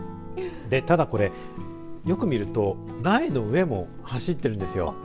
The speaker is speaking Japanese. ただ、これよく見ると苗の上も走っているんですよ。